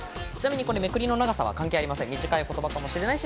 めくりの長さは関係ありません。